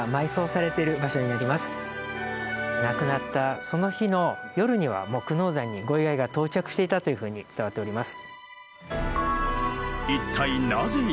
亡くなったその日の夜にはもう久能山にご遺骸が到着していたというふうに伝わっております。